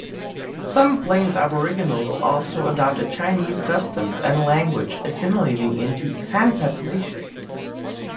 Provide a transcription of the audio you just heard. Some plains aboriginals also adopted Chinese customs and language, assimilating into the Han population.